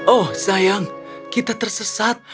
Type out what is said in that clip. oh sayang kita tersesat